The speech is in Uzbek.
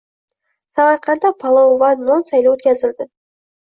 Samarqandda palov va non sayli oʻtkazildi